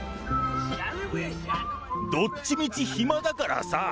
どっちみちひまだからさあ。